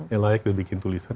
yang layak dibikin tulisan